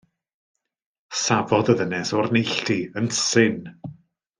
Safodd y ddynes o'r neilltu, yn syn.